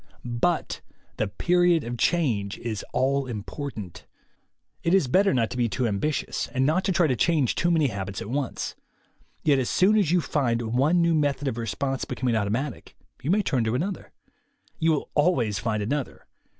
But the period of change is all important. It is better not to be too ambitious, and not to try to change too many habits at once. Yet as soon as you find one new method of response becoming automatic, you may turn to another. You will always find another.